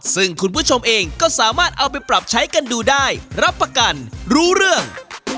ซึ่งคุณผู้ชมเองก็สามารถเอาไปปรับใช้กันดูได้รับประกันรู้เรื่อง